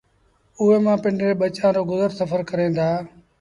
اُئي مآݩ پنڊري ٻچآݩ رو گزر سڦر ڪريݩ دآ